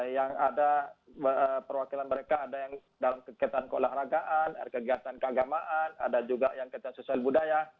yang ada perwakilan mereka ada yang dalam kegiatan keolahragaan ada kegiatan keagamaan ada juga yang kegiatan sosial budaya